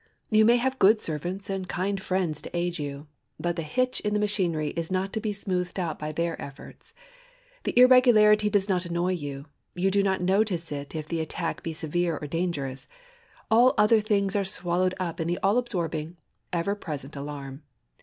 You may have good servants and kind friends to aid you, but the hitch in the machinery is not to be smoothed out by their efforts. The irregularity does not annoy you: you do not notice it if the attack be severe or dangerous. All other thoughts are swallowed up in the all absorbing, ever present alarm.